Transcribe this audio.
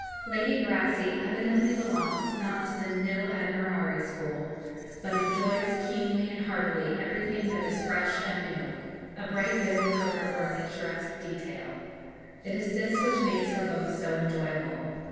Lady Brassey evidently belongs not to the nil admirari school, but enjoys keenly and heartily everything that is fresh and new a bright bit of colour or a picturesque detail. It is this which makes her book so enjoyable.